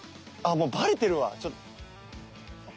あっもうバレてるわちょっと。